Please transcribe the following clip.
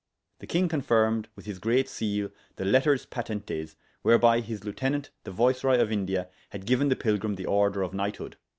The king confirmed with his great seal the letters patentes, whereby his lieutenant the viceroy of India had given the pilgrim the order of knighthood.